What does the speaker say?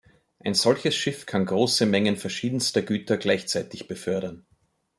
Ein solches Schiff kann große Mengen verschiedenster Güter gleichzeitig befördern.